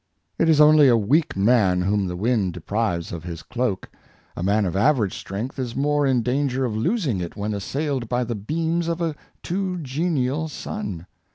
It is only a weak man whom the wind de prives of his cloak ; a man of average strength is more in danger of losing it when assailed by the beams of a too genial sun.